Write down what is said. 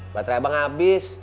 baterai abang abis